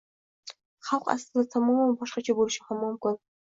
Xalq aslida tamoman boshqacha boʻlishi ham mumkin.